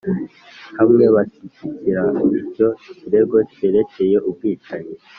hamwe bashyigikira icyo kirego cyerekeye ubwicanyi